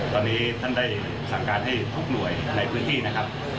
ตอนนี้ท่านได้สั่งการให้ทุกหน่วยในพื้นที่นะครับ